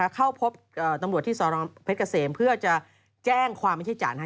เข้าพบตำรวจที่สนเพชรเกษมเพื่อจะแจ้งความไม่ใช่จ๋านะครับ